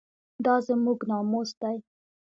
دا زموږ ناموس دی